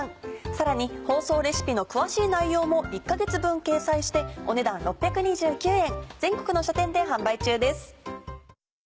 さらに放送レシピの詳しい内容も１か月分掲載してお値段６２９円。